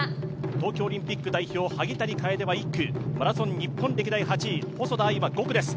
東京オリンピック代表、萩谷楓は１区、マラソン日本歴代８位・細田あいは５区です。